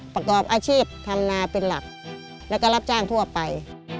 ประกอบอาชีพทำนาเป็นหลักแล้วก็รับจ้างทั่วไป